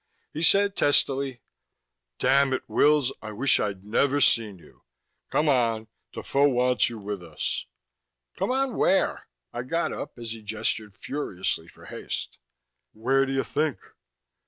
He said testily, "Damn it, Wills, I wish I'd never seen you! Come on! Defoe wants you with us." "Come on where?" I got up as he gestured furiously for haste. "Where do you think?